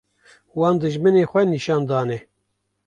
wan dijminên xwe nîşan dane